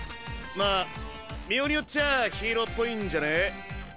まあ見ようによっちゃあヒーローっぽいんじゃね？